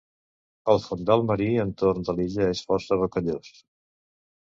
El fondal marí entorn de l'illa és força rocallós.